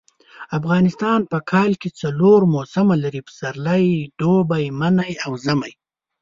افغانستان په کال کي څلور موسمه لري . پسرلی دوبی منی او ژمی